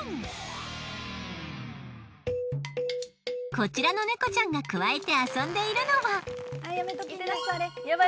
こちらの猫ちゃんがくわえて遊んでいるのは。